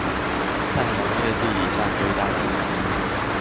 在農業地理上最大的意義